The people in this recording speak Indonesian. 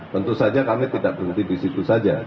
tentu saja kami tidak berhenti disitu saja